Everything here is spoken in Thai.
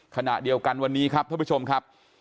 ขณะเดียวกันวันนี้ครับท่านผู้ชมครับ